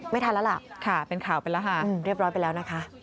ไม่ทันแล้วล่ะเรียบร้อยไปแล้วนะคะค่ะเป็นข่าวไปแล้วค่ะ